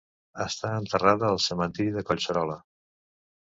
Està enterrada al cementiri de Collserola.